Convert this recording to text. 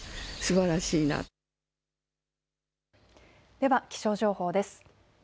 では気象情報です。